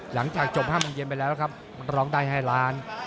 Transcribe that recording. หลังจากจบ๕โมงเย็นไปแล้วครับร้องได้ให้ล้าน